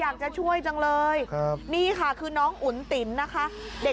แมวตายในกองไฟน้องก็